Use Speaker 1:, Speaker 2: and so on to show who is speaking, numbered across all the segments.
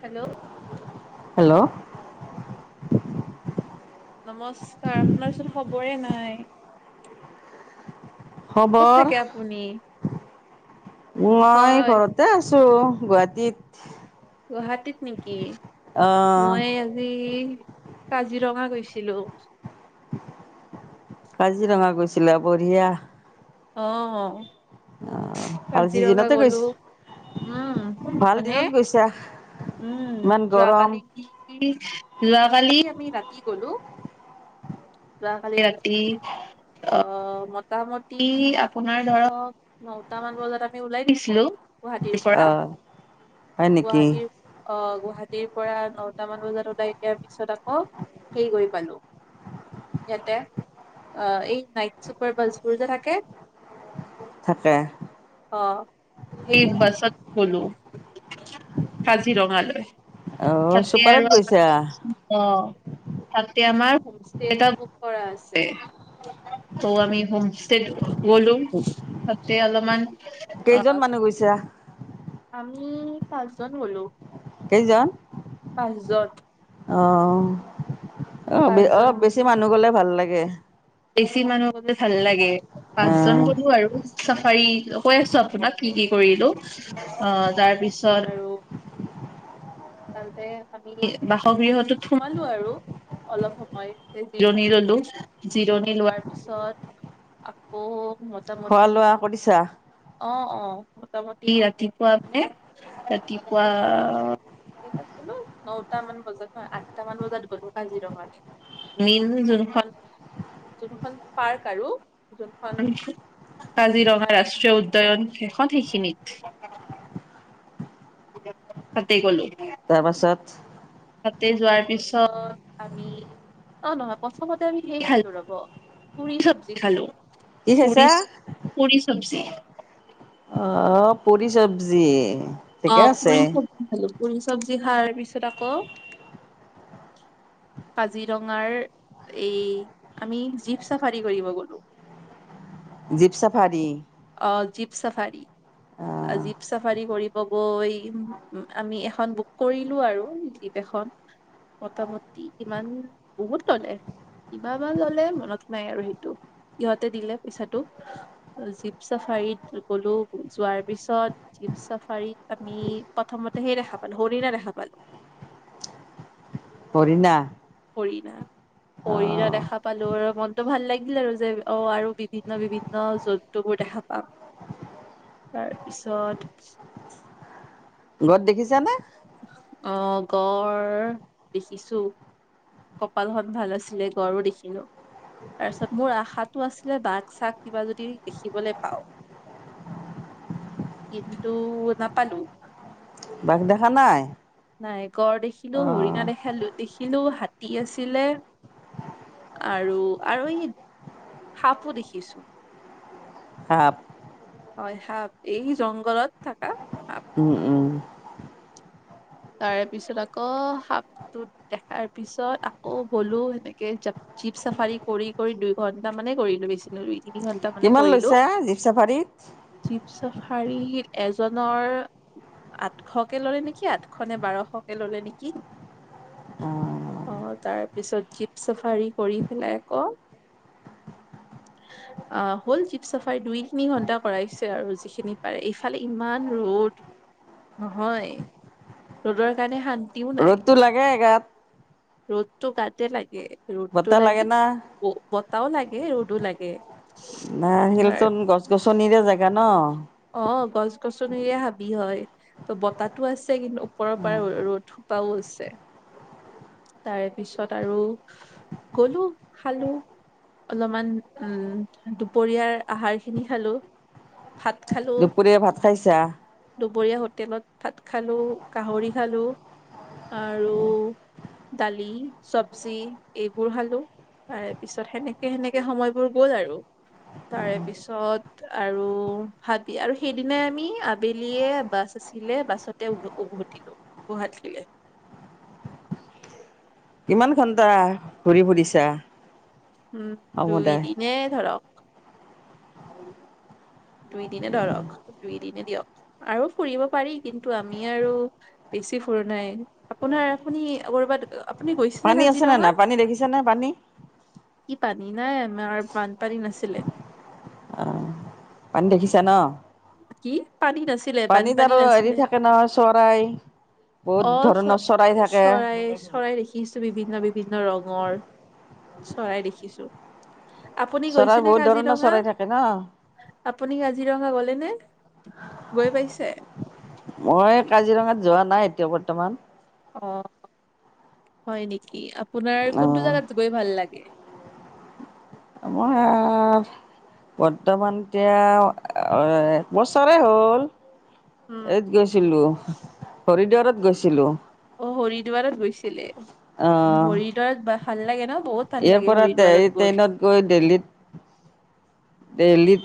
Speaker 1: Hello
Speaker 2: hello [inaudible]
Speaker 1: নমস্কাৰ আপোনাৰ চোন খবৰে নাই। ক'ত
Speaker 2: খবৰ
Speaker 1: থাকে আপুনি
Speaker 2: মই ঘৰতে আছোঁ।
Speaker 1: হয়
Speaker 2: চো ৰহ গুৱাহাটীত।
Speaker 1: গুৱাহাটীত নেকি?
Speaker 2: আহ
Speaker 1: মই আজি। কাজিৰঙা গৈছিলোঁ।
Speaker 2: কাজিৰঙা গৈছিলে বঢ়িয়া।
Speaker 1: অহ অ।
Speaker 2: ভাল
Speaker 1: কাজিৰঙা
Speaker 2: চিজনতে গৈছা
Speaker 1: গলোঁ উম
Speaker 2: ভাল
Speaker 1: মানে
Speaker 2: দিনত গৈছা
Speaker 1: উম
Speaker 2: ইমান গৰম
Speaker 1: যোৱাকালি যোৱাকালি। আমি ৰাতি গলোঁ যোৱাকালি ৰাতি আহ মতামত। ৰাতি আপোনাৰ ধৰক নটা মান বজাত আমি ওলাই দিছিলোঁ। গুৱাহাটীৰ পৰা
Speaker 2: আহ হয় নেকি
Speaker 1: গুৱাহাটীৰ অ গ গুৱাহাটীৰ পৰা নটা মান বজাত ওলাই দিয়াৰ পিছত আকৌ হে কৰি পালো ইয়াতে অ এই নাইট চুপাৰ বাছবোৰ যে থ। কে
Speaker 2: থাকে।
Speaker 1: অ সেই বাছত গলোঁ কাজিৰঙালৈ।
Speaker 2: অ
Speaker 1: তাকে
Speaker 2: চুপাৰত
Speaker 1: আৰু আমাৰ
Speaker 2: গৈছা
Speaker 1: অ তাক এতিয়া আমাৰ হোমইষ্টেটা এটা বুক কৰা আছে ত' আমি হোম গলোঁ তাতে অলপমান।
Speaker 2: কেইজন
Speaker 1: অ'
Speaker 2: মানুহ গৈছা।
Speaker 1: আমি পাঁচজন গলোঁ।
Speaker 2: কেইজন
Speaker 1: পাঁচজন
Speaker 2: অ। অ অ
Speaker 1: পাঁচজন
Speaker 2: বেছি মানুহ গ'লে। ভাল লাগে।
Speaker 1: বেছি মানুহ। ভাল লাগে পাঁচজন
Speaker 2: আহ
Speaker 1: গলোঁ আৰু। চাফাৰী কৈ আছোঁ আপোনাক কি কি কৰিলোঁ আহ তাৰপিছত আৰু তাতে আমি বাসগৃহটো সোমালোঁ আৰু অলপ সময় জিৰণি ললোঁ। জিৰণি লোৱাৰ পিছত আকৌ।
Speaker 2: খোৱা
Speaker 1: মোটামুটি
Speaker 2: লোৱা কৰিছা
Speaker 1: অ অ মোটামুটি ৰাতিপুৱা মানে ৰাতিপুৱা এটাত গলোঁ ন তা মান বজাত ন আঠটা মান বজাত গলোঁ কাজিৰঙা মেইন যোনখন। যোনখন পাৰ্ক আৰু যোনখন কাজিৰঙা ৰাষ্ট্ৰীয় উদ্যান সেইখন সেইখিনিত। তাতে গলোঁ
Speaker 2: তাৰপাছত।
Speaker 1: তি যোৱাৰ পিছত আমি অ নহয় প্ৰথমতে আমি কি খালো ৰব পুৰি চবজি খালো।
Speaker 2: কি খাইছা
Speaker 1: পুৰি চবজি।
Speaker 2: আহ পোৰি চবজি।
Speaker 1: অ পুৰি চবজি খালোঁ। পুৰি চবজি খাৱাৰ পিছত আকৌ কাজিৰঙাৰ এই আমি জীপ চাফাৰী কৰিব গলো।
Speaker 2: Jeep safari.
Speaker 1: অ জীপ চাফাৰী
Speaker 2: আহ
Speaker 1: জীপ চাফাৰী কৰিব গৈ আমি এখন বুক কৰিলো আৰু জীপ এখন মোটামুটি ইমান বহুত ললে কিবা বা ললে মনত নাই আৰু সেইটো সিহঁতে দিলে পইচাটো। জীপ চাফাৰীত গলো যোৱাৰ পিছত জীপ চাফাৰীত আমি প্ৰথমতেহে দেখা পালো হৰিণা দেখা পালো।
Speaker 2: হৰিণা।
Speaker 1: হৰিণা হৰিণা
Speaker 2: আহ
Speaker 1: দেখা পালো আৰু মনটো ভাল লাগিল আৰু যে অ আৰু বিভিন্ন বিভিন্ন জন্তুবোৰ দেখা পাম তাৰপিছত।
Speaker 2: গড় দেখিছানে।
Speaker 1: অ গড় দেখিছো কপালখন ভাল আছিলে গড়ো দেখিলো তাৰপিছত মোৰ আশাটো আছিলে বাঘ চাগ কিবা যদি দেখিবলৈ পাওঁ। কিন্তু নাপালো ।
Speaker 2: বাঘ দেখা নাই।
Speaker 1: নাই গড় দেখিলো হৰিণা
Speaker 2: অঁ
Speaker 1: দেখা দেখিলো হাতী আছিলে আৰু আৰু এই সাপো দেখিছো ।
Speaker 2: সাপ।
Speaker 1: হয় সাপ এই জংঘলত থাকা।
Speaker 2: উম উম।
Speaker 1: তাৰ পিছত আকৌ সাপটো দেখাৰ পিছত আকৌ হলো এনেকে জীপ চাফাৰী কৰি কৰি দুই ঘন্টা মানে কৰিলো বেচি ৰুই ।
Speaker 2: কিমান লৈছে জীপ চাফাৰীত ।
Speaker 1: জীপ চাফাৰী এজনৰ আঠশকে ললে নেকি আঠঁ। খনে বাৰশকে ললে নেকি আহ তাৰপিছত জীপ চাফাৰী কৰি পেলাই আক আহ হ'ল জীপ চাফাৰী দুই তিনি ঘন্টা কৰাইছে আৰু যিখিনি পাৰে ইফালে ইমান ৰ'দ নহয়। ৰ'দৰ কাৰণে শান্তি।
Speaker 2: ৰ'দতটো লাগেে গাত।
Speaker 1: ৰ'দটো গাতে লাগে। ৰ'দটো
Speaker 2: বতাহ লাগে
Speaker 1: লাগি
Speaker 2: না
Speaker 1: ব। বতাহো লাগে, ৰ'দো লাগে,
Speaker 2: ন',
Speaker 1: আপোনাৰ
Speaker 2: শিলতন গছ-গছনিৰে জেগা ন',
Speaker 1: অ', গছ -গছনিৰে হাবি হয় ।ত', বতাহতো আছে কিন্তু ওপৰৰ পৰা ৰ'দ সোপাও আছে, তাৰে পিছত আৰু গলো খালো অলপমান উম', দুপৰীয়াৰ আহাৰ খিনি খালো ভাত
Speaker 2: দুপৰীয়া ভাত খাইছা?
Speaker 1: দুপৰীয়াা হোটেলত ভাত খালোঁ, গাহৰি খালোঁ, আৰু দালি চবজি এইবোৰ খালোঁ। তাৰে পিছত সেনেকে-সেনেকে সময়বোৰ গ'ল আৰু তাৰে পিছত আৰু--। ভাবি আৰু সেইদিনাই আমি আবেলিয়ে বাছ আছিলে বাছতে উ', -উভতিলো গুৱাহাটীলে।
Speaker 2: কিমান ঘণ্টা ঘূৰি ফুৰিছা?
Speaker 1: উম', দুই
Speaker 2: সমুদায়
Speaker 1: দিনে ধৰক। [unintelligible] দুই- দিনে, ধৰক দুই- দিনে দিয়ক, আৰু ফুৰিব পাৰি কিন্তু আমি আৰু বেছি ফুৰা নাই আপোনাৰ- আপুনি কৰবাত? আপুনি গৈছেনে
Speaker 2: পানী আছেনে
Speaker 1: কাজিৰঙা
Speaker 2: নাই? পানী দেখিছানে পানী,
Speaker 1: কি পানী নাই, আমাৰ বানপানী নাছিলে,
Speaker 2: পানী দেখিছা ন',
Speaker 1: কি? পানী নাছিলে
Speaker 2: পানীত
Speaker 1: বানপানী
Speaker 2: আৰু হেৰি
Speaker 1: নাছিলে
Speaker 2: থাকে নহয় চৰাই, বহুত
Speaker 1: অ, চ,
Speaker 2: ধৰণৰ চৰাই থাকে
Speaker 1: চৰাই- চৰাই, দেখিছো বিভিন্ন -বিভিন্ন ৰঙৰ চৰাই দেখিছো, আপুনি
Speaker 2: চৰাই
Speaker 1: গৈছেনে
Speaker 2: বহুত ধৰণৰ
Speaker 1: কাজিৰঙা,
Speaker 2: চৰাই থাকে ন।
Speaker 1: আপুনি কাজিৰঙা গলে নে? গৈ পাইছে?
Speaker 2: মই কাজিৰঙাত যোৱা নাই, এতিয়াও বৰ্তমান
Speaker 1: অ হয় নেকি আপোনাৰ কোনটো
Speaker 2: অ',
Speaker 1: জাগাত গৈ ভাল লাগে?
Speaker 2: আমাৰ বৰ্তমানকে একবছৰে হ'ল।
Speaker 1: উম,
Speaker 2: এইত গৈছিলো, হৰিদ্বাৰত গৈছিলো।
Speaker 1: অ হৰিদ্বাৰত গৈছিলে।
Speaker 2: অ',
Speaker 1: হৰিদ্বাৰত বা ভাল লাগে ন', বহুত ভাল
Speaker 2: ইয়াৰ
Speaker 1: লাগে
Speaker 2: পৰা
Speaker 1: হৰিদ্বাৰত গৈ।
Speaker 2: ট্ৰেইনত দেল্লিত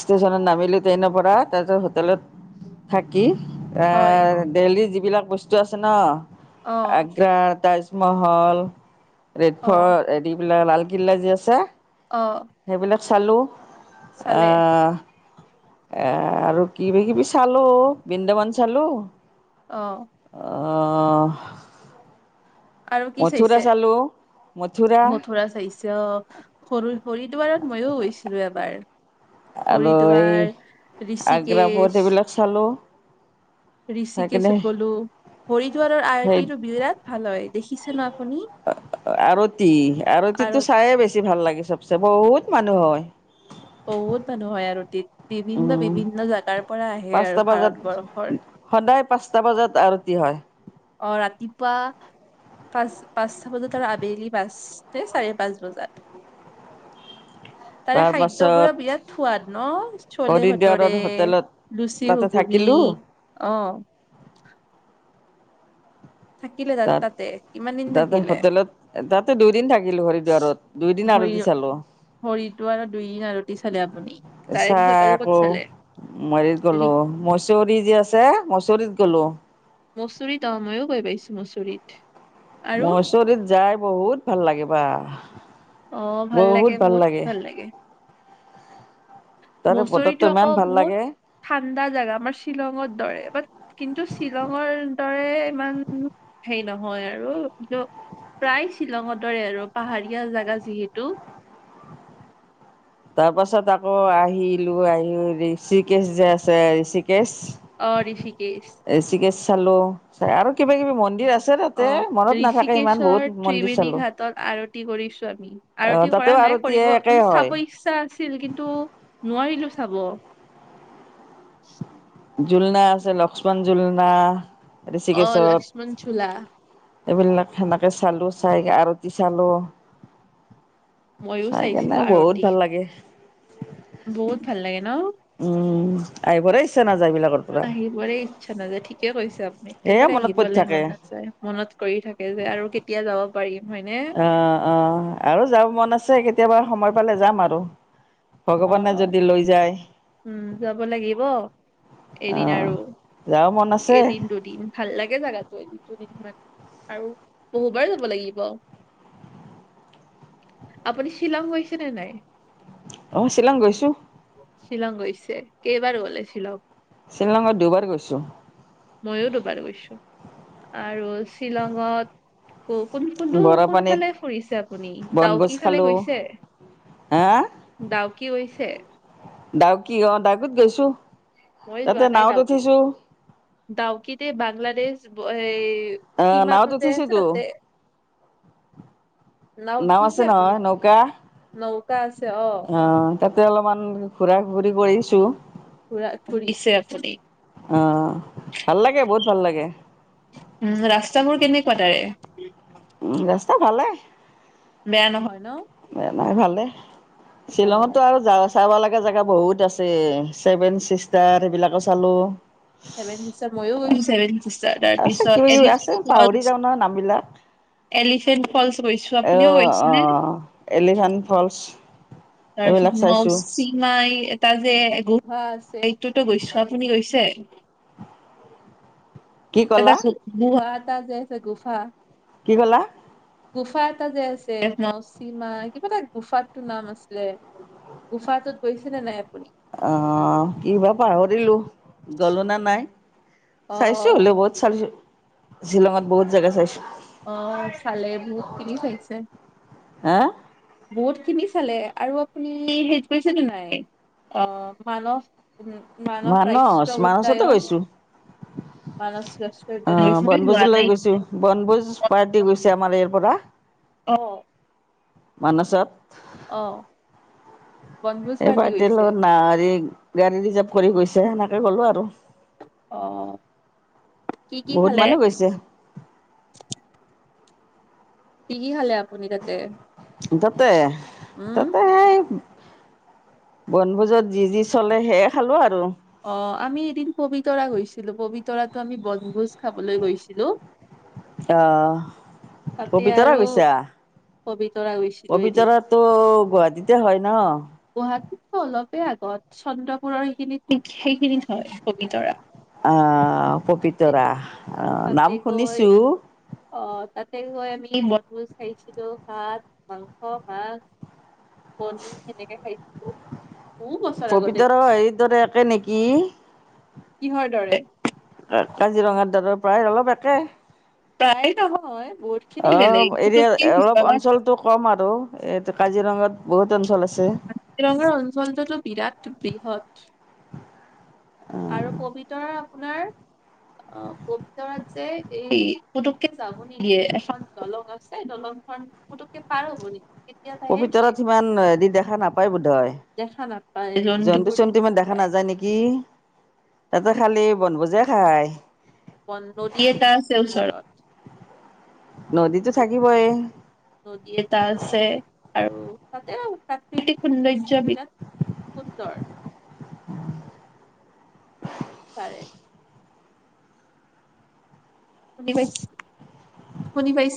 Speaker 2: ষ্টেচনত নামিলো ট্ৰেইনৰ পৰা। তাৰপিছত হোটেলত, থাকি
Speaker 1: হয়,
Speaker 2: আহ দিল্লী যি যিবিলাক বস্তু আছে ন
Speaker 1: অ',
Speaker 2: আগ্ৰা তাৰ মহল ৰেড
Speaker 1: অ',
Speaker 2: ফৰ্ট, এদি বিলা লাল গিলাজি আছে,
Speaker 1: অ
Speaker 2: সেইবিলাক চালোঁ।
Speaker 1: চালে?
Speaker 2: অ'হ এ, আৰু কিবা কিবি চালো, বৃন্দাবন চালো।
Speaker 1: অ
Speaker 2: অহ
Speaker 1: আৰু কি চাইছে, মথুৰা চাইছে অ, সৰু, শৰিদুৱাৰত মইওঁ গৈছিলো এবাৰ।
Speaker 2: আৰু এই
Speaker 1: হৰিদ্বাৰ ঋষিকেশ,
Speaker 2: আগ্ৰাপথ এইবিলাক চালো।
Speaker 1: ঋষিকেশত গলো হৰিদ্বাৰৰ
Speaker 2: সেই
Speaker 1: আৰ্তিটো বিৰাট ভাল হয়, দেখিছে নে আপুনি?
Speaker 2: আৰতি আৰতিটো
Speaker 1: আৰতি?
Speaker 2: চায়ে বেছি ভাল লাগে চবচে বহুত মানুহ হয়।
Speaker 1: বহুত মানুহ হয় আৰতিত। বিভিন্ন
Speaker 2: উম
Speaker 1: বিভিন্ন জেগাৰ পৰা আহে
Speaker 2: পাঁচটা
Speaker 1: আৰু
Speaker 2: বজাত
Speaker 1: ভাৰতবৰ্ষৰ।
Speaker 2: সদায় পাঁচটা বজাত আৰতি হয়।
Speaker 1: অ ৰাতিপুৱা পাঁচ, পাঁচটা বজাত আৰু আবেলি পাঁচ, ‌ চাৰে পাঁচ বজাত। তাৰে খাদ্যবোৰো
Speaker 2: তাৰপাছত
Speaker 1: বিৰাট সোৱাদ ন? চলে ভতোৰে,
Speaker 2: হৰিদ্বাৰৰ হোটেলত
Speaker 1: লুচি
Speaker 2: তাতে
Speaker 1: ঘুগুনি,
Speaker 2: থাকিলো
Speaker 1: অ'হ!
Speaker 2: তাত‌,
Speaker 1: কিমান দিন
Speaker 2: তাতে
Speaker 1: থাকিলে
Speaker 2: হোটেলত, তাতে দুইদিন থাকিলো হৰিদ্বাৰত, ‌ দুইদিন
Speaker 1: হৰি
Speaker 2: আৰতি চালো,
Speaker 1: হৰিটো আৰু দুইদিন আৰতি চালে আপুনি তাৰে পিছত
Speaker 2: চাই
Speaker 1: আৰু ক'ত
Speaker 2: আকৌ
Speaker 1: চালে
Speaker 2: হেৰিত
Speaker 1: হেৰি
Speaker 2: গলো, ‌ মচৌৰি যে আছে, ‌ মচৌৰিত গলোঁ।
Speaker 1: মৌচৰিত অ', ময়ো গৈ পাইছো মচৌৰিত।
Speaker 2: মচৌৰিত যায় বহুত ভাল লাগিবা।
Speaker 1: অ ভাল লাগে, বহুত ভাল লাগে।
Speaker 2: তাৰে বতৰটো
Speaker 1: মচৌৰিতটো
Speaker 2: ইমান
Speaker 1: আকৌ
Speaker 2: ভাল
Speaker 1: বহুত
Speaker 2: লাগে
Speaker 1: ঠাণ্ডা জেগা, আমাৰ শ্বিলঙৰ দৰে, কিন্তু শ্বিলঙৰ দৰে ইমান হেৰি নহয় আৰু কিন্তু প্ৰায় শ্বিলঙৰ দৰে আৰু পাহাৰীয়া জেগা যিহেতু।
Speaker 2: তাৰ পাছত আকৌ আহিলো আহি ঋষিকেশ যে আছে [unintelligible] কেশ,
Speaker 1: অ ঋষিকেশ
Speaker 2: ঋষিকেশ। চালো, চাই আৰু কিবা কিবি মন্দিৰ আছে তাতে
Speaker 1: অ'
Speaker 2: মনত নাথাকে ইমান বহুত
Speaker 1: ঋষিকেশ্বৰ
Speaker 2: মন্দিৰ
Speaker 1: ত্ৰিবেণী
Speaker 2: চালো
Speaker 1: ঘাটত আৰতি কৰিছো আমি, ‌
Speaker 2: আহ
Speaker 1: আৰতি
Speaker 2: তাতেও
Speaker 1: কৰা নাই,
Speaker 2: আৰতিয়ে
Speaker 1: কৰিব‌,
Speaker 2: একেই
Speaker 1: মানে
Speaker 2: হয়
Speaker 1: চাব ইচ্ছা আছে। [unintelligible] ছিল কিন্তু নোৱাৰিলো চাব।
Speaker 2: ঝুলনা আছে, লক্ষ্মণ ঝুলনা।
Speaker 1: অ, লক্ষ্মণ ঝোলা।
Speaker 2: এইবিলাক সেনেকে চালো, চাই আৰতি চালো।
Speaker 1: মইয়ো
Speaker 2: চাই
Speaker 1: চাইছিলো
Speaker 2: কেনে বহুত
Speaker 1: আৰতি
Speaker 2: ভাল লাগে। [inaudible]
Speaker 1: বহুত ভাল লাগে ন?
Speaker 2: উম, আহিবৰে ইচ্ছা নাযায়। এইবিলাকৰ পৰা
Speaker 1: আহিবৰে ইচ্ছা নাযায়, ঠিকে কৈছে আপুনি।
Speaker 2: সেয়ে
Speaker 1: একেবাৰে
Speaker 2: মনত পৰি
Speaker 1: আহিবলে
Speaker 2: থাকে
Speaker 1: মন নাযায়, মনত পৰি থাকে যে আৰু কেতিয়া যাব। পাৰি।
Speaker 2: অ, অ আৰু যাব মন আছে। কেতিয়াবা সময় পালে যাম আৰু।
Speaker 1: অ,
Speaker 2: ভগৱানে
Speaker 1: অ
Speaker 2: যদি লৈ যায়
Speaker 1: উম যাব লাগিব। এদিন
Speaker 2: আহ
Speaker 1: আৰু
Speaker 2: যাব মন আছে
Speaker 1: এদিন দুদিন ভাল লাগে জাগাটো এদিন। আৰু বহুবাৰ যাব লাগিব, আপুনি শ্বিলং গৈছেনে নাই?
Speaker 2: অ, শ্বিলং গৈছোঁ।
Speaker 1: শ্বিলং গৈছে কেইবাৰ গলে শ্বিলং?
Speaker 2: শ্বিলংত দুইবাৰ গৈছো।
Speaker 1: ময়ো দুবাৰ গৈছো আৰু শ্বিলং। কোন কোনটো
Speaker 2: বৰাপানীত
Speaker 1: কোনফালে ফুৰিছে আপুনি
Speaker 2: বনভোজ
Speaker 1: ডাউকি ফালে
Speaker 2: খালো
Speaker 1: গৈছে?
Speaker 2: হা
Speaker 1: ডাউকি হৈছে।
Speaker 2: ডাউকি অ ডাউকি গৈছো।
Speaker 1: মই যোৱা
Speaker 2: তাতে
Speaker 1: নাই
Speaker 2: নাৱত
Speaker 1: ডাউকি
Speaker 2: উঠিছো
Speaker 1: ডাউকিতে বাংলাদেশ। এই। সীমাটোতে আছে আতে ।
Speaker 2: নাৱ আছে
Speaker 1: আপুনি
Speaker 2: নহয় নৌকা
Speaker 1: নৌকা আছে অ
Speaker 2: অ তাতে অলপমান ঘুৰা ঘৰি। কৰিছোঁ।
Speaker 1: পুৰা ফুৰিছে আপুনি
Speaker 2: আহ ভাল লাগে বহুত ভাল লাগে
Speaker 1: উম ৰাস্তা বোৰ কেনেকো। [unintelligible]
Speaker 2: উম ৰাস্তা ভালে।
Speaker 1: বেয়া নহয় ন।
Speaker 2: বেমাৰ ভালে।
Speaker 1: অ
Speaker 2: শ্বিলংতো আৰু যা । চাব লগা জেগা বহুত আছে ছেভেন চিষ্টাৰ সেইবিলাকো চালো।
Speaker 1: ছেভেন চিষ্টাৰ ময়ো গৈছো ছেভেন চিষ্টাত।
Speaker 2: আছে কিবা কিবি আছে পাহৰি যাওঁ নহয় নাম বিলাক
Speaker 1: এলিফেন্ট ফলচ গৈছো
Speaker 2: এ
Speaker 1: আপুনিও গৈছেনে
Speaker 2: অহ এলিফেণ্ট ফলচ ।
Speaker 1: [unintelligible] এটা যে গুহা আছে এইটোতো গৈছো আপুনি গৈছে।
Speaker 2: কি
Speaker 1: এটা
Speaker 2: ক'লা?
Speaker 1: চো গুহাত। তাত যে আছে গুহা।
Speaker 2: কি ক'লা
Speaker 1: গুফা এটা যে আছে। মৌচিমা কিবা এটা গোফাত টো নাম আছিলে গুফাত টো গৈছিলে নাই। আপুনি?
Speaker 2: অ হ কি বা পাহৰিলো গলো নে নাই। চাইছো
Speaker 1: অ',
Speaker 2: হ'লেও বহুত চালো। শ্বিলঙত বহুত জেগা চাইছো।
Speaker 1: আহ চালে বহুতখিনি চাইছে।
Speaker 2: হা।
Speaker 1: বহুত খিনি চালে আৰু আপুনি হেৰি কৰিছেনে নাই অ মানস। উম,
Speaker 2: মানস
Speaker 1: ৰাষ্ট্ৰীয়
Speaker 2: মানচতো
Speaker 1: উদ্যায়ন
Speaker 2: গৈছো
Speaker 1: মানস ৰাষ্ট্ৰীয়
Speaker 2: অ
Speaker 1: উদ্যান গৈছেনে যোৱা
Speaker 2: বনভোজলৈ
Speaker 1: নাই?
Speaker 2: গৈছো বনভোজ পাৰ্টি গৈছো। [unintelligible] ইয়াৰ পৰা
Speaker 1: অ
Speaker 2: মানসত।
Speaker 1: আহঁ।
Speaker 2: এই পাৰ্টি লগত নাৰিম । বিৰানী যাম । কৰি গৈছে হেনেকে গলোঁ আৰু,
Speaker 1: অ', কি কি
Speaker 2: বহুত
Speaker 1: খালে?
Speaker 2: মানুহ গৈছে।
Speaker 1: কি কি খালে আপুনি তাতে?
Speaker 2: তাতে?
Speaker 1: উম,
Speaker 2: তাতে বনভোজত যি যি চলে, সেয়ে খালোঁ আৰু।
Speaker 1: অ', আমি এদিন পবিতৰা গৈছিলোঁ। পবিতৰাতো আমি বনভোজ খাবলৈ গৈছিলোঁ।
Speaker 2: অ',
Speaker 1: তাতে আৰু
Speaker 2: পবিতৰা গৈছা?
Speaker 1: [unintelligible] এদিন।
Speaker 2: পবিতৰাতো গুৱাহাটীতে হয় ন?
Speaker 1: গুৱাহাটীতকৈ অলপে আগত, চন্দ্ৰপুৰৰ সেইখিনিত সেইখিনিত হয় পবিতৰা।
Speaker 2: অ', পবিতৰা? অ', নাম
Speaker 1: তাতে গৈ
Speaker 2: শুনিছোঁ।
Speaker 1: অ' তাতে গৈ আমি বনভোজ খাইছিলোঁ। ভাত, মাংস, মাছ কণী [unintelligible] খাইছিলোঁ
Speaker 2: পবিতৰাও হেৰি দৰে একে নেকি?
Speaker 1: কিহৰ দৰে
Speaker 2: কাজিৰঙাৰ দৰে প্ৰায় অলপ একেই।
Speaker 1: প্ৰায় নহয়। বহুত খিনি বেলেগ
Speaker 2: অ',
Speaker 1: পুতুককে
Speaker 2: এৰিয়াত অলপ অঞ্চলটো কম আৰু এই কাজিৰঙাত বহুত অঞ্চল আছে।
Speaker 1: কাজিৰঙাৰ অঞ্চলটোতো বিৰাট বৃহৎ আৰু পবিতৰা আপোনাৰ অ', পবিতৰাত যে এই পুটুককে যাব নিদিয়ে এখন দলং আছে হেই, দলংখন পুটুককে পাৰ হ'ব নেকি?
Speaker 2: পবিতৰাত সিমান [unintelligible] দেখা নাপায় বোধহয়।
Speaker 1: দেখা নাপায় জন্তুবোৰ
Speaker 2: জন্তু-চন্তু ইমান দেখা
Speaker 1: নাপায়
Speaker 2: নাযায় নেকি! তাতে খালি বনভোজহে খায়।
Speaker 1: [unintelligible] নদী এটা আছে ওচৰত।
Speaker 2: নদীতো থাকিবই
Speaker 1: নদী এটা আছে, আৰু তাতে প্ৰাকৃতিক সৌন্দৰ্য বিৰাট সুন্দৰ। চাৰে শুনি পাইছে? শুনি পাইছেনে?